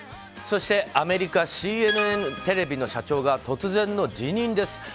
そしてアメリカＣＮＮテレビの社長が突然の辞任です。